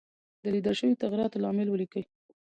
د لیدل شوو تغیراتو لامل ولیکئ.